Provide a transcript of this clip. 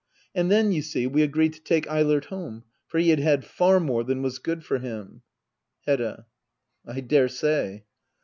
And then, you see, we agreed to take Eilert home ; for he had had far more than was good for him. Hedda. I daresay.